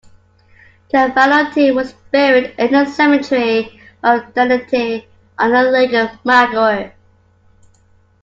Cavallotti was buried in the cemetery of Dagnente, on the Lake Maggiore.